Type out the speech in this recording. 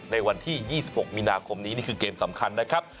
ในวันที่๒๖มีนาคมนี้นี่คือเกมสำคัญนะครับ